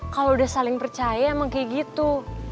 kalau udah saling percaya emang kayak gitu